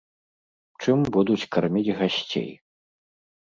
Чым будуць карміць гасцей?